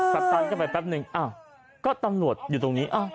สัดตันกันไปแป๊บนึงก็ตำรวจอยู่ตรงนี้